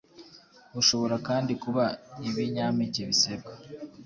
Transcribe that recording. Bushobora kandi kuba ibinyampeke bisebwa,